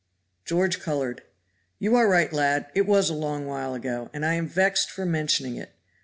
George colored. "You are right, lad it was a long while ago, and I am vexed for mentioning it.